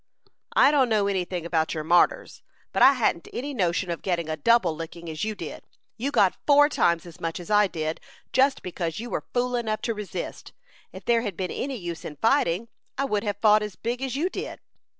"I don't know any thing about your martyrs, but I hadn't any notion of getting a double licking, as you did. You got four times as much as I did, just because you were fool enough to resist. If there had been any use in fighting, I would have fought as big as you did."